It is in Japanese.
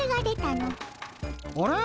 あれ？